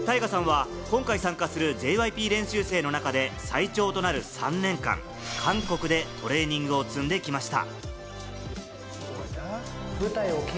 タイガさん、今回参加するＪＹＰ練習生の中で最長となる３年間、韓国でトレーニングを積んできました。